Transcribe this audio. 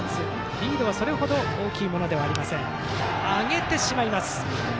リードはそれほど大きいものではありません。